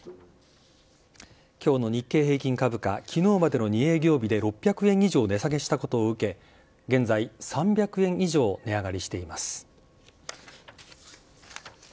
きょうの日経平均株価、きのうまでの２営業日で６００円以上値下げしたことを受け、現在３００円以上値上がりしています。